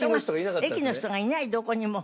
駅の人がいないどこにも。